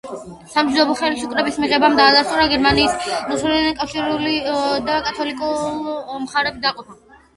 სამშვიდობო ხელშეკრულების მიღებამ, დაადასტურა გერმანიის ლუთერანულ, კალვინისტურ და კათოლიკურ მხარეებად დაყოფა.